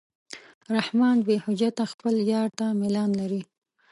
رحمان بېحجته خپل یار ته میلان لري.